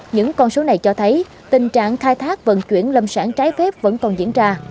những con số này cho thấy tình trạng khai thác vận chuyển lâm sản trái phép vẫn còn diễn ra